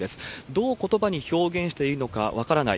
どうことばに表現していいのか分からない。